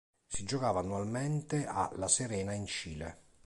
Si giocava annualmente a La Serena in Cile.